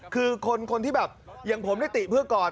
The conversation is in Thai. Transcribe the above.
คือคนที่แบบอย่างผมได้ติเพื่อกอด